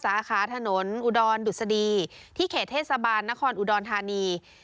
สาขาถนนอุดรดุษฎีที่เขตเทศบาลนครอุดรธานี